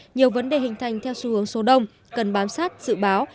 nhiều vấn đề hình thành theo xu hướng số đông cần bám sát dự báo